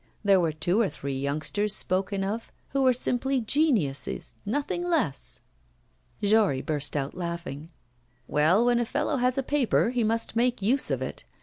There were two or three youngsters spoken of who were simply geniuses, nothing less.' Jory burst out laughing. 'Well, when a fellow has a paper, he must make use of it.